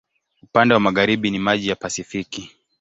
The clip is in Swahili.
Upande wa magharibi ni maji wa Pasifiki.